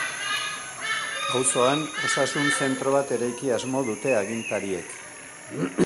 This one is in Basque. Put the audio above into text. Auzoan osasun zentro bat eraiki asmo dute agintariek.